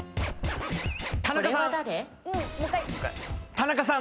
田中さん。